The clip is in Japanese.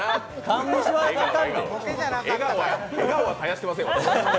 笑顔は絶やしてません。